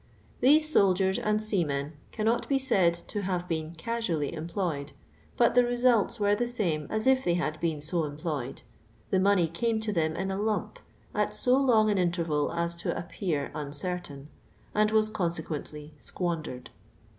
Thesr* soldiers and seamen cannot be said to have been ra^ui'f'/ employi'd, but li»e rcsnlis were the same as if ihey had been so employed ; the monf y crim.' to them in a lump at so long an in terval as to appear uncertain, and was conse quently squandered.